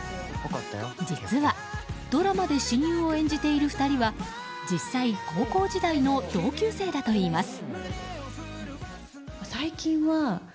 実はドラマで親友を演じている２人は実際、高校時代の同級生だといいます。